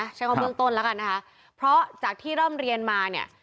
ใช้คำว่าเบื้องต้นแล้วกันนะคะเพราะจากที่ร่ำเรียนมาเนี่ย